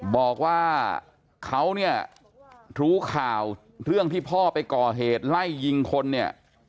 บอกว่าเขาเนี่ยรู้ข่าวเรื่องที่พ่อไปก่อเหตุไล่ยิงคนเนี่ย